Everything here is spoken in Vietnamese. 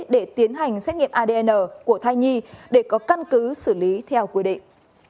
để tiến hành xét nghiệm adn của thai nhi để có căn cứ xử lý theo quy định